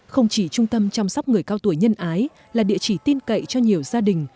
không chỉ trung tâm chăm sóc người cao tuổi nhân ái là địa chỉ tin cậy cho nhiều gia đình